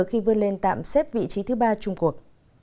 khi vươn lên tạm xếp vị trí thứ ba trung quốc